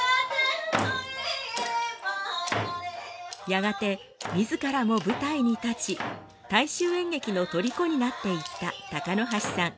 やがて自らも舞台に立ち大衆演劇のとりこになっていった鷹箸さん。